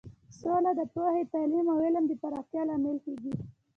سوله د پوهې، تعلیم او علم د پراختیا لامل کیږي.